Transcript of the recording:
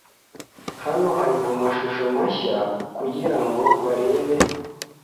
Hano hari amashusho mashya kugirango barebe.